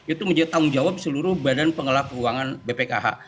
itu menjadi tanggung jawab seluruh badan pengelola keuangan bpkh